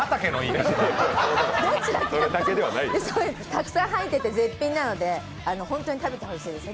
たくさん入っていて絶品なので本当に食べてほしいです。